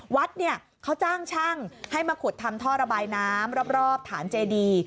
วัดเนี่ยเขาจ้างช่างให้มาขุดทำท่อระบายน้ำรอบฐานเจดี